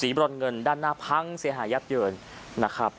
สีบ่รอนเงินด้านหน้าพังเสียหายับเยิน